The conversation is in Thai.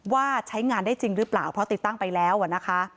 ว่าใช้งานได้จริงหรือเปล่าเพราะติดตั้งไปแล้วนะคะ